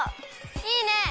いいね！